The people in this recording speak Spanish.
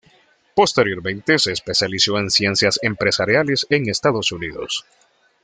Posteriormente se especializó en Ciencias Empresariales en Estados Unidos.